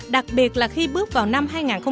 đặc biệt là khi bước vào năm hai nghìn một mươi tám